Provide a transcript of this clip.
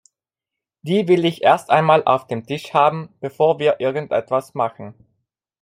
Die will ich erst einmal auf dem Tisch haben, bevor wir irgendetwas machen.